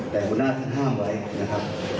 แต่หัวหน้าท่านห้ามไว้นะครับ